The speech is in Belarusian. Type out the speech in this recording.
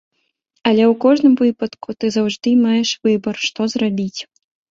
Але ў кожным выпадку, ты заўжды маеш выбар, што зрабіць.